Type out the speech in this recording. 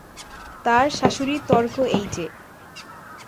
তার শাশুড়ির তর্ক এই যে।